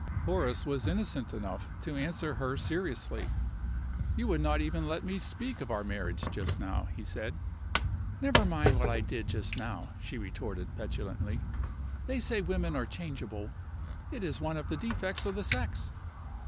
Horace was innocent enough to answer her seriously. "You would not even let me speak of our marriage just now," he said. "Never mind what I did just now," she retorted, petulantly. "They say women are changeable. It is one of the defects of the sex."